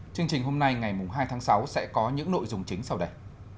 chương trình hôm nay ngày hai tháng sáu sẽ có những nội dung chính sau đây